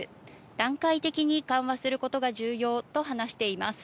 段階的に緩和することが重要と話しています。